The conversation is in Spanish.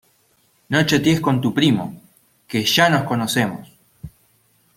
No chatees con tu primo, ¡que ya nos conocemos!